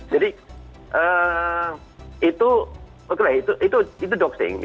jadi itu doxing